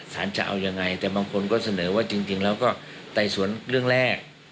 จะเอายังไงแต่บางคนก็เสนอว่าจริงแล้วก็ไต่สวนเรื่องแรก